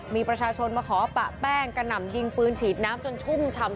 มีประชาชนมาขอปะแป้งกระหน่ำยิงปืนฉีดน้ำจนชุ่มฉ่ำ